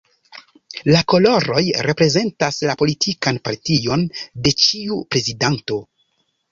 La koloroj reprezentas la politikan partion de ĉiu prezidanto.